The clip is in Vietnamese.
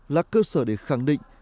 là cơ sở để khẳng định